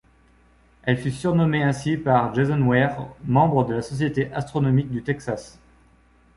Elle fut surnommée ainsi par Jason Ware, membre de la Société astronomique du Texas.